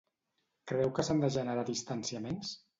Creu que s'han de generar distanciaments?